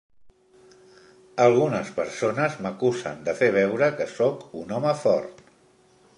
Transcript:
Algunes persones m'acusen de fer veure que soc un home fort.